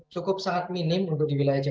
cukup sangat minim untuk di wilayah jawa